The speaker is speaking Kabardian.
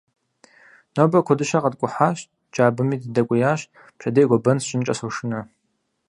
Нобэ куэдыщэ къэткӏухьащ, джабэми дыдэкӏуеящ, пщэдей гуэбэн сщӏынкӏэ сошынэ.